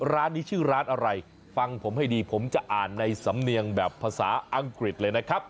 ร้านนี้ชื่อร้านอะไรฟังผมให้ดีผมจะอ่านในสำเนียงแบบภาษาอังกฤษเลยนะครับ